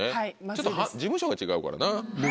ちょっと事務所が違うからな。